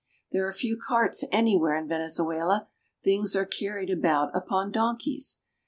There are few carts anywhere in Venezuela. Things are carried about upon donkeys.